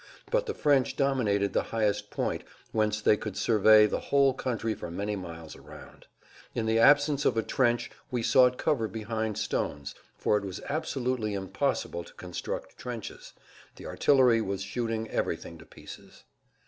But the French dominated the highest point, whence they could survey the whole country for many miles around. In the absence of a trench we sought cover behind stones, for it was absolutely impossible to construct trenches; the artillery was shooting everything to pieces.